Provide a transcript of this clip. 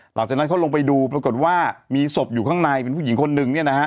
หลังจากนั้นเขาลงไปดูปรากฏว่ามีศพอยู่ข้างในเป็นผู้หญิงคนนึงเนี่ยนะฮะ